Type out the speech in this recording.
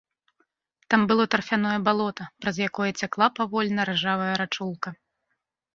Там было тарфяное балота, праз якое цякла павольна ржавая рачулка.